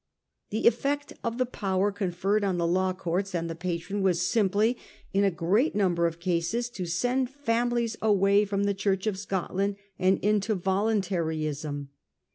The effect of the power conferred on the law courts and the patron was simply in a great number of cases to send families away from the Church of Scotland and into voluntaryism.